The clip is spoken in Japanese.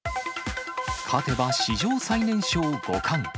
勝てば史上最年少五冠。